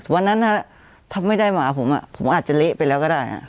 วันนั้นถ้าไม่ได้หมาผมผมอาจจะเละไปแล้วก็ได้